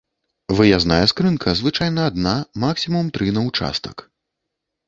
Выязная скрынка звычайна адна, максімум тры, на ўчастак.